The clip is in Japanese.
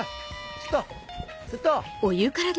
ちょっとちょっと！